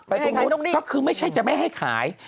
ตรงนู้นก็คือไม่ใช่จะไม่ให้ขาย